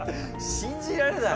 信じられない。